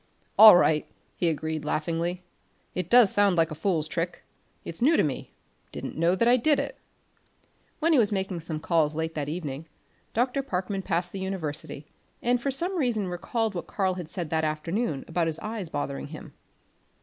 "All right," he agreed laughingly. "It does sound like a fool's trick. It's new to me; didn't know that I did it." When he was making some calls late that evening, Dr. Parkman passed the university and for some reason recalled what Karl had said that afternoon about his eyes bothering him.